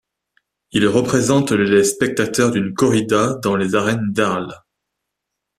Il représente les spectateurs d'une corrida dans les arènes d'Arles.